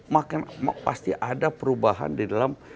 maka pasti ada perubahan di dalam